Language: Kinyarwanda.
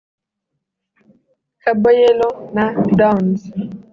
“Kabo Yellow” na “Downs”